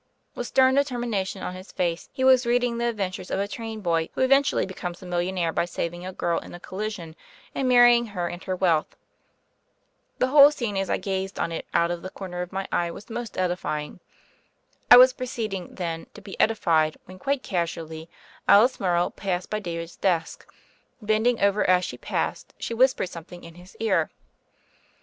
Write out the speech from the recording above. With stern determination on his face, he was reading the adventures of a train boy who event ually becomes a millionaire by saving a girl in a collision and marrying her and her wealth. The whole scene, as I gazed on it out of the THE FAIRY OF THE SNOWS 131 corner of my eye, was most edifying. I was proceeding, then, to be edified, when, quite cas ually, Alice Morrow passed by David's desk; bending over as she passed she whispered some thing in his ear.